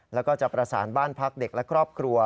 แล้วก็จะประสานบ้านพักเด็กและครอบครัว